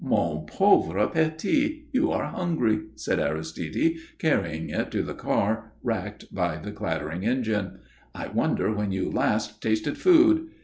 "Mon pauvre petit, you are hungry," said Aristide, carrying it to the car racked by the clattering engine. "I wonder when you last tasted food?